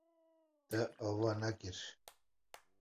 Te ava nekir.